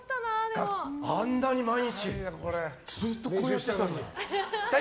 あんなに毎日ずっとこうやってたのに。